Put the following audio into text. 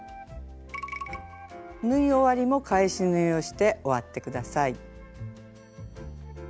縫い終わりも返し縫いをして終わって下さい。